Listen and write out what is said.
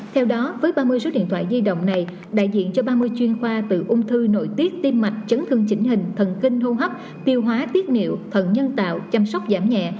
theo đó với ba mươi số điện thoại di động này đại diện cho ba mươi chuyên khoa từ ung thư nội tiết tim mạch chấn thương chỉnh hình thần kinh hô hấp tiêu hóa tiết niệu thần nhân tạo chăm sóc giảm nhẹ